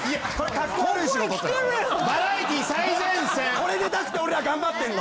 これ出たくて俺ら頑張ってんの！